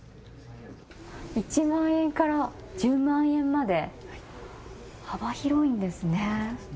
１万円から１０万円まで幅広いんですね。